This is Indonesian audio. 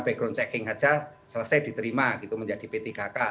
background checking saja selesai diterima gitu menjadi p tiga k